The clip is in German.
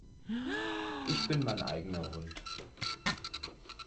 Ich bin mein eigener Hund.